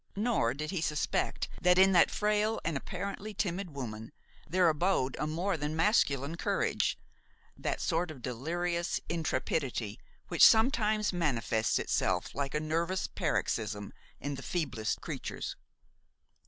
Nor did he suspect that in that frail and apparently timid woman there abode a more than masculine courage, that sort of delirious intrepidity which sometimes manifests itself like a nervous paroxysm in the feeblest creatures.